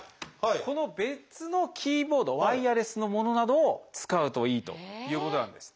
この別のキーボードワイヤレスのものなどを使うといいということなんです。